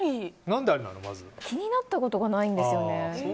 気になったことがないんですよね。